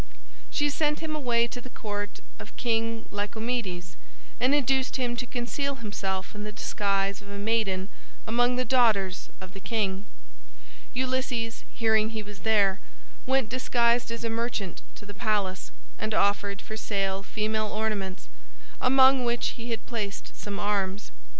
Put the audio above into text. She sent him away to the court of King Lycomedes, and induced him to conceal himself in the disguise of a maiden among the daughters of the king. Ulysses, hearing he was there, went disguised as a merchant to the palace and offered for sale female ornaments, among which he had placed some arms.